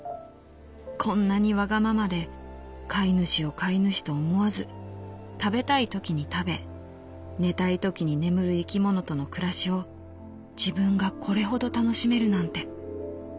こんなにわがままで飼い主を飼い主と思わず食べたいときに食べ寝たいときに眠る生き物との暮らしを自分がこれほど楽しめるなんて。